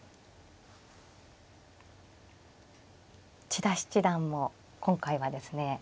千田七段も今回はですね